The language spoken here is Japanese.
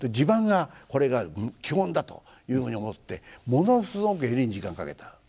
襦袢がこれが基本だというふうに思ってものすごく襟に時間をかけた。